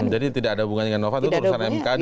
jadi tidak ada hubungannya dengan novanto itu urusan mkd